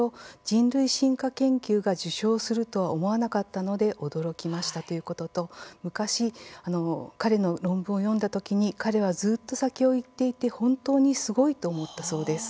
人類進化研究が受賞するとは思わなかったので驚きました、ということと昔、彼の論文を読んだ時に彼はずっと先を行っていて本当にすごいと思ったそうです。